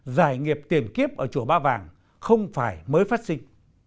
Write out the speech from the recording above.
giải nghiệp tiền kiếp ở chùa ba vàng không phải mới phát sinh